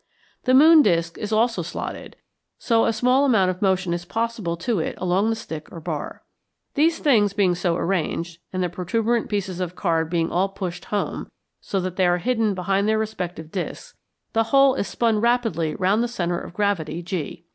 The moon disk is also slotted, so a small amount of motion is possible to it along the stick or bar. These things being so arranged, and the protuberant pieces of card being all pushed home, so that they are hidden behind their respective disks, the whole is spun rapidly round the centre of gravity, G.